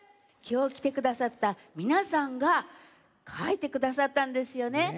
きょうきてくださったみなさんがかいてくださったんですよね。